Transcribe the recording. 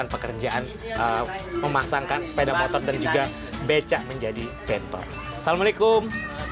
pekerjaan memasangkan sepeda motor dan juga becak menjadi bentor assalamualaikum